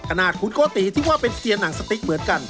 ขนาดคุณโกติที่ว่าเป็นเซียนหนังสติ๊กเหมือนกัน